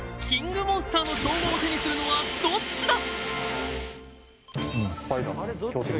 モンスターの称号を手にするのはどっちだ？